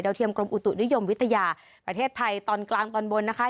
เทียมกรมอุตุนิยมวิทยาประเทศไทยตอนกลางตอนบนนะคะ